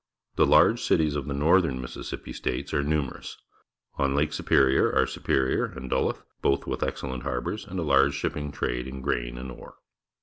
The large cities of the Northern Mississippi States are numerous. On Lake Superior are Superior and Duluth, both with excellent harbours and a large shipping trade in grain and ore.